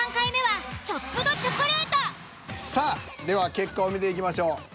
さあでは結果を見ていきましょう。